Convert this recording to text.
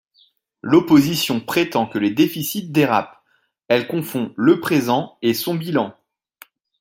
L’opposition prétend que les déficits dérapent, elle confond le présent et son bilan.